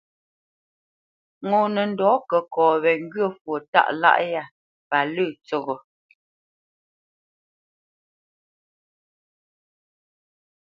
Ŋo nə ndɔ̌ kəkɔ wé ŋgyə̂ fwo tâʼ lâʼ yá pa lə̂ tsəghó.